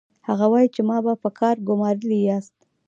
هغه وايي چې ما په کار ګومارلي یاست